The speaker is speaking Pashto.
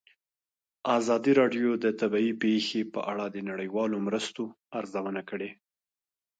ازادي راډیو د طبیعي پېښې په اړه د نړیوالو مرستو ارزونه کړې.